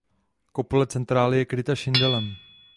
Kopule centrály je kryta šindelem.